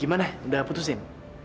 gimana udah putusin